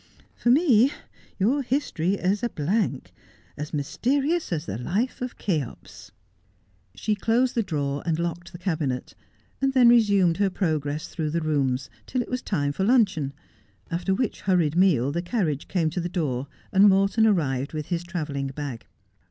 For me your history is a blank, as mysterious as the life of Cheops.' 154 Just as I Am. She closed the drawer and locked the cabinet, and then re sumed her progress through the rooms, till it was time for luncheon, after which hurried meal the carriage came to the door and Morton arrived with his travelling bag.